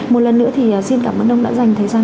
một lần nữa thì xin cảm ơn ông đã dành thời gian